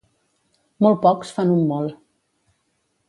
Molt pocs fan un molt.